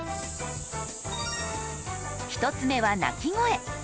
１つ目は鳴き声。